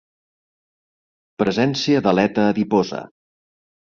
Presència d'aleta adiposa.